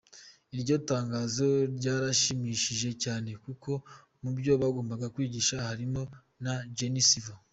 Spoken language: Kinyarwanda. Iryo tangazo ryaranshimishije cyane kuko mubyo bagombaga kwigisha harimo na Génie Civil.